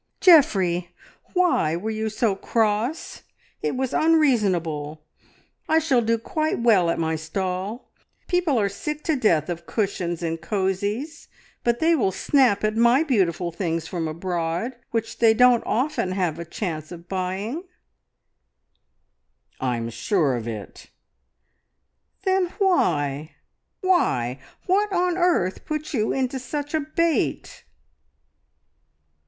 "Geoffrey! Why were you so cross? It was unreasonable. I shall do quite well at my stall. People are sick to death of cushions and cosies, but they will snap at my beautiful things from abroad, which they don't often have a chance of buying." "I am sure of it." "Then why why ? What on earth put you into such a bait?"